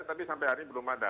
tapi sampai hari ini belum ada